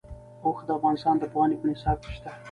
اوښ د افغانستان د پوهنې په نصاب کې شته.